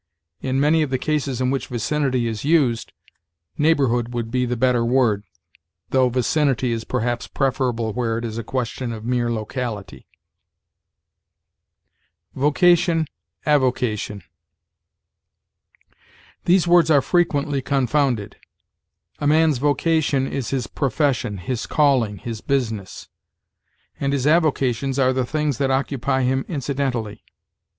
In many of the cases in which vicinity is used, neighborhood would be the better word, though vicinity is perhaps preferable where it is a question of mere locality. VOCATION AVOCATION. These words are frequently confounded. A man's vocation is his profession, his calling, his business; and his avocations are the things that occupy him incidentally.